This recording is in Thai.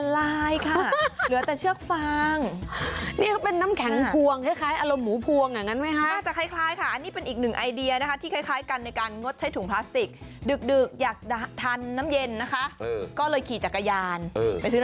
แล้วเข้ามาให้ถุงพลาสติกทำไหน